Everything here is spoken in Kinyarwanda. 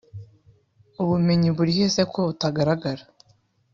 ubumenyi burihe se ko butagaragara